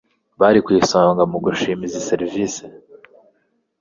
bari ku isonga mu gushima izi serivisi